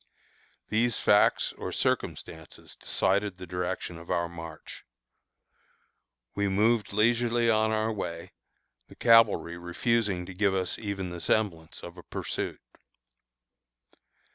These facts or circumstances decided the direction of our march. We moved leisurely on our way, the cavalry refusing to give us even the semblance of a pursuit.